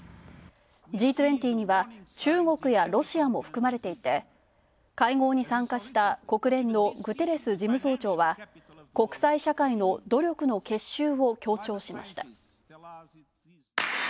Ｇ２０には中国やロシアも含まれていて会合に参加した国連のグテレス事務総長は国際社会の努力の結集を強調しました。